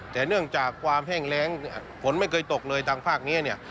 แต่เนื่องจากความแห้งแรงฝนไม่เคยตกเลยทางภาคนี้เนี่ย